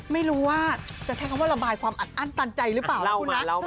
ไม่รู้ว่าจะใช้คำว่าระบายความอัดอั้นตันใจหรือเปล่านะคุณนะ